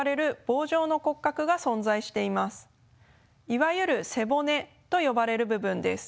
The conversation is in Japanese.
いわゆる背骨と呼ばれる部分です。